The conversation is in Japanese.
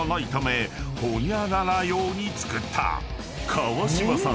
［川島さん